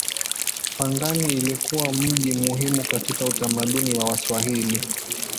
Pangani ilikuwa mji muhimu katika utamaduni wa Waswahili.